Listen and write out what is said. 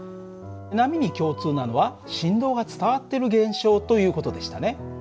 波に共通なのは振動が伝わっている現象という事でしたね。